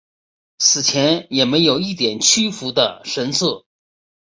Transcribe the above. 死前也没有一点屈服的神色。